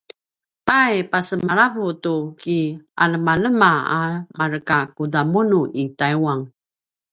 pay pasemalavu tu kianemanema a markakudamunu i taiwan?